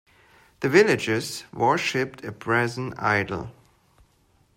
The villagers worshipped a brazen idol